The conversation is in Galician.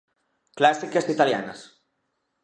Clásicas italianas.